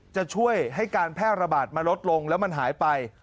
จะช่วยให้การแพร่ระบาดมาลดลงแล้วมันหายไป